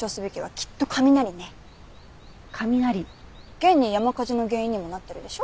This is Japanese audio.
現に山火事の原因にもなってるでしょ？